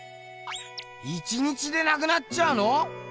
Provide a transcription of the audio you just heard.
１日でなくなっちゃうの？